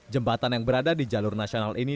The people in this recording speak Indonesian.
jembatan yang berada di jalur nasional ini